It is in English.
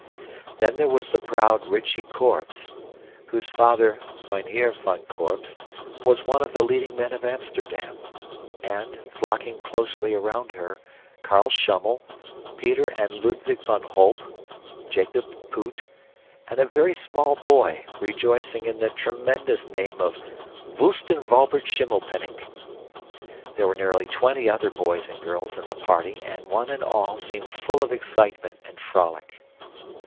Then there was the proud Rychie Korbes, whose father, Mynheer van Korbes, was one of the leading men of Amsterdam; and, flocking closely around her, Carl Schummel, Peter and Ludwig van Holp, Jacob Poot, and a very small boy rejoicing in the tremendous name of Voostenwalbert Schimmelpenninck. There were nearly twenty other boys and girls in the party, and one and all seemed full of excitement and frolic.